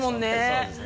そうですね。